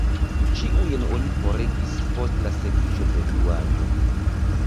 Ĉiujn oni forigis post la sekiĝo de gluaĵo.